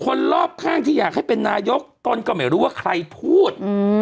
คนรอบข้างที่อยากให้เป็นนายกต้นก็ไม่รู้ว่าใครพูด